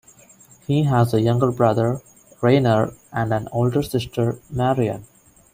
He has a younger brother, Rainer, and an older sister, Marion.